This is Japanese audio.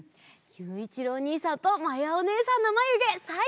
ゆういちろうおにいさんとまやおねえさんのまゆげさいこう！